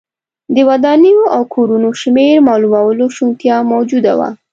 د ودانیو او کورونو شمېر معلومولو شونتیا موجوده وه